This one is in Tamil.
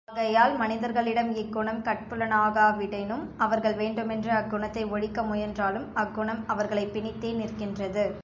ஆகையால் மனிதர்களிடம் இக்குணம் கட்புலனாகாவிடினும், அவர்கள் வேண்டுமென்று அக்குணத்தை ஒழிக்க முயன்றாலும், அக்குணம் அவர்களைப் பிணித்தே நிற்கின்றது.